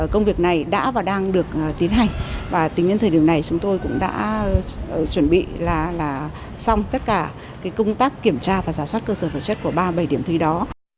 công việc này đã và đang được tiến hành và tính đến thời điểm này chúng tôi cũng đã chuẩn bị là xong tất cả công tác kiểm tra và giả soát cơ sở vật chất của ba mươi bảy điểm thi đó